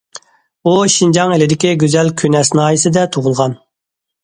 ئۇ شىنجاڭ ئىلىدىكى گۈزەل كۈنەس ناھىيەسىدە تۇغۇلغان.